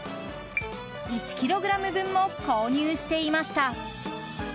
１ｋｇ分も購入していました。